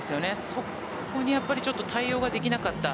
そこに対応ができなかった。